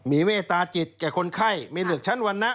มีเมตตาจิตแก่คนไข้ไม่เหลือกชั้นวรรณะ